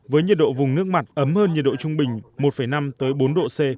với nhiệt độ vùng nước mặt ấm hơn nhiệt độ trung bình một năm tới bốn độ c